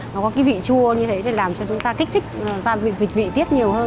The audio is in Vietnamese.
nó có cái vị chua như thế để làm cho chúng ta kích thích và vị tiết nhiều hơn